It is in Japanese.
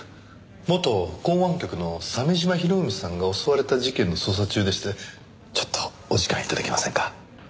元港湾局の鮫島博文さんが襲われた事件の捜査中でしてちょっとお時間頂けませんか？